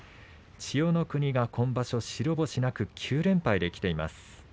千代の国が今場所白星が９９連敗できています。